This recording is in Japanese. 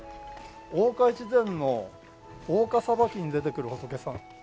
大岡越前の「大岡裁き」に出てくる仏さん。